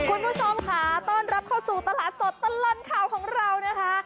คุณผู้ชมค่ะต้อนรับเข้าสู่ตลาดสดตลอดข่าวของเรานะคะ